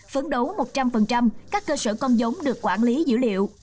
phấn đấu một trăm linh các cơ sở con giống được quản lý dữ liệu